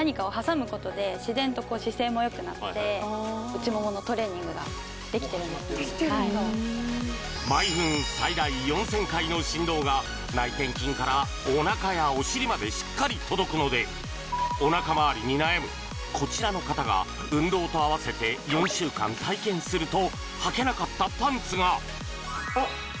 確かにはいはい内もものトレーニングができてるんです・できてるんだ毎分最大４０００回の振動が内転筋からおなかやお尻までしっかり届くのでおなかまわりに悩むこちらの方が運動とあわせて４週間体験するとはけなかったパンツがあっ